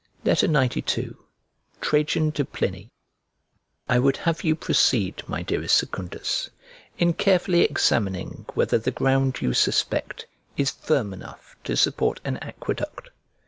XCII TRAJAN TO PLINY I WOULD have you proceed, my dearest Secundus, in carefully examining whether the ground you suspect is firm enough to support an aqueduct.